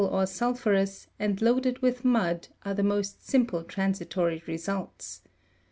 103 or sulphurous, and loaded with mud, are the most simple transi tory results.